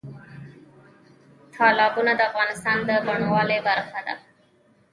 تالابونه د افغانستان د بڼوالۍ برخه ده.